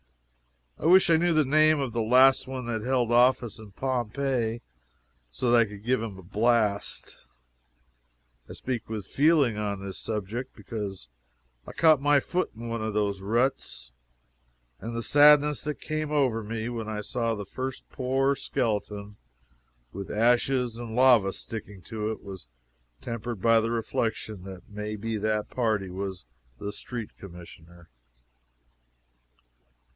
I wish I knew the name of the last one that held office in Pompeii so that I could give him a blast. I speak with feeling on this subject, because I caught my foot in one of those ruts, and the sadness that came over me when I saw the first poor skeleton, with ashes and lava sticking to it, was tempered by the reflection that may be that party was the Street Commissioner.